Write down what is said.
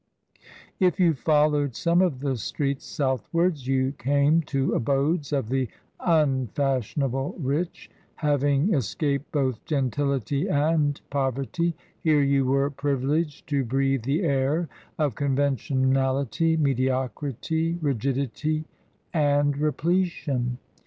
TRANSITION. 203 If you followed some of the streets southwards you came to abodes of the unfashionable rich — having es caped both gentility and poverty, here you were privi leged to breathe the air of conventionality, mediocrity, rigidity, and repletion.